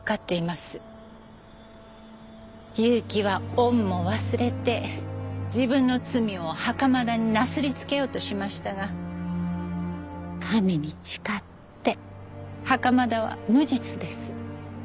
結城は恩も忘れて自分の罪を袴田になすりつけようとしましたが神に誓って袴田は無実です。